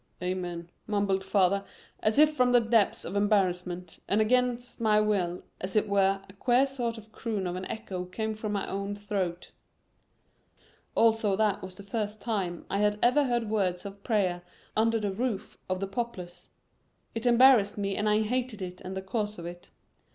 "Amen," mumbled father as if from the depths of embarrassment, and against my will, as it were, a queer sort of a croon of an echo came from my own throat. Also that was the first time I had ever heard words of prayer under the roof of the Poplars. It embarrassed me and I hated it and the cause of it.